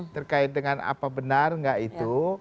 terkait dengan apa benar enggak itu